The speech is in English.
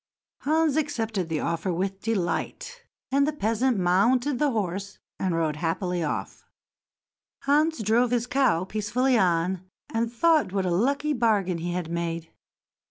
Hans accepted the offer with delight, and the peasant mounted the horse and rode rapidly off. Hans drove his cow peacefully on, and thought what a lucky bargain he had made.